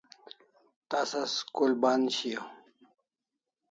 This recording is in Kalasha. Tasa school band shiau